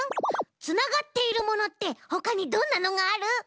つながっているものってほかにどんなのがある？